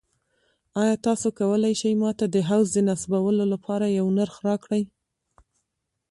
ایا تاسو کولی شئ ما ته د حوض د نصبولو لپاره یو نرخ راکړئ؟